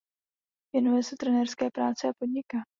Věnuje se trenérské práci a podniká.